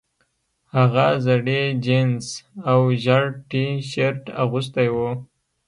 هغه زړې جینس او ژیړ ټي شرټ اغوستی و